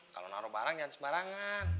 kalau naro barang nyari barangan